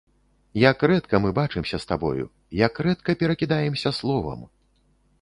Як рэдка мы бачымся з табою, як рэдка перакідаемся словам!